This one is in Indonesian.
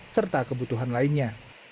serta kebutuhan lainnya